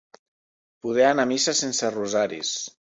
Poder anar a missa sense rosaris.